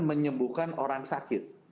menyembuhkan orang sakit